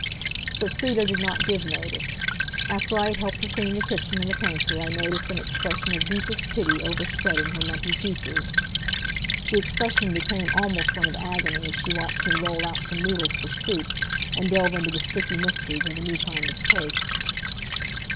But Frieda did not give notice. After I had helped her clean the kitchen and the pantry I noticed an expression of deepest pity overspreading her lumpy features. The expression became almost one of agony as she watched me roll out some noodles for soup, and delve into the sticky mysteries of a new kind of cake.